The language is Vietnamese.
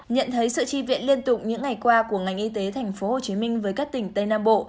nhận thấy sự tri viện liên tục những ngày qua của ngành y tế tp hcm với các tỉnh tây nam bộ